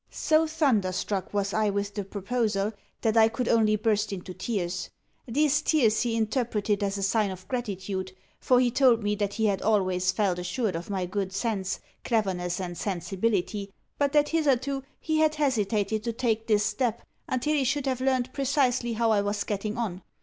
So thunderstruck was I with the proposal that I could only burst into tears. These tears he interpreted as a sign of gratitude, for he told me that he had always felt assured of my good sense, cleverness, and sensibility, but that hitherto he had hesitated to take this step until he should have learned precisely how I was getting on.